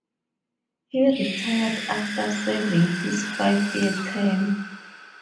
He retired after serving his five-year term.